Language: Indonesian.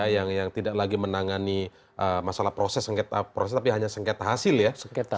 yang tidak lagi menangani masalah proses tapi hanya sengketa hasil ya